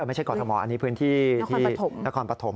ไม่ใช่กอร์ธมอตอันนี้พื้นที่นครปฐม